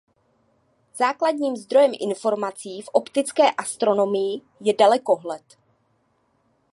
Základním zdrojem informací v optické astronomii je dalekohled.